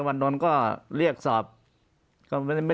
ปากกับภาคภูมิ